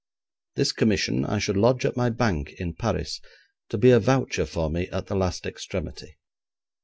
This commission I should lodge at my bank in Paris, to be a voucher for me at the last extremity.